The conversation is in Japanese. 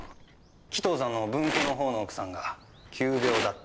鬼頭さんの分家の方の奥さんが急病だって。